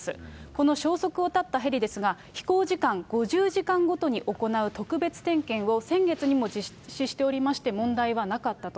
この消息を絶ったヘリですが、飛行時間５０時間ごとに行う特別点検を、先月にも実施しておりまして、問題はなかったと。